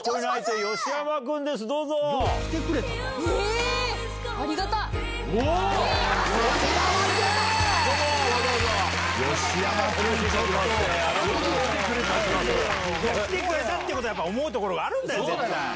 吉山君、ちょっと。来てくれたっていうことは、やっぱり思うところがあるんだよ、絶対。